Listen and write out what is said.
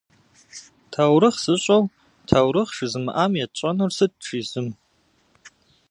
Таурыхъ зыщӏэу таурыхъ жызымыӏам етщӏэнур сыт?- жи зым.